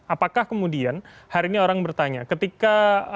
apakah kemudian hari ini orang bertanya ketika